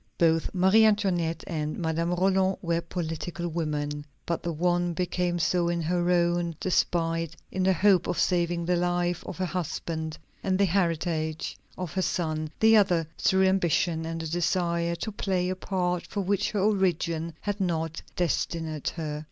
Both Marie Antoinette and Madame Roland were political women. But the one became so in her own despite, in the hope of saving the life of her husband and the heritage of her son; the other, through ambition and the desire to play a part for which her origin had not destined her.